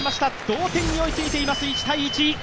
同点に追いついています、１−１。